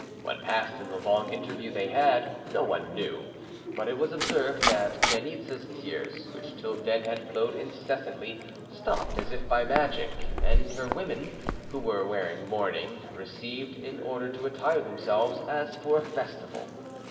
What passed in the long interview they had no one knew, but it was observed that Chainitza's tears, which till then had flowed incessantly, stopped as if by magic, and her women, who were wearing mourning, received an order to attire themselves as for a festival.